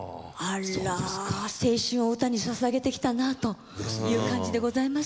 青春を歌にささげてきたなという感じでございます。